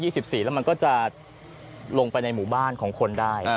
แล้วมันก็จะลงไปในหมู่บ้านของคนได้